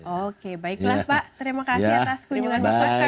oke baiklah pak terima kasih atas kunjungannya